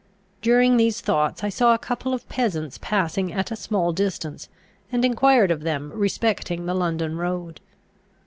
During these thoughts I saw a couple of peasants passing at a small distance, and enquired of them respecting the London road.